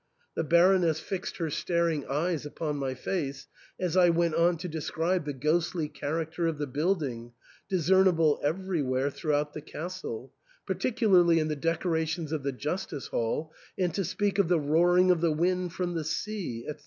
The Baroness fixed her staring eyes upon my face, as I went on to describe the ghostly character of the building, discernible everywhere throughout the castle, particularly in the decorations of the justice hall, and to speak of the roaring of the wind from the sea, &c.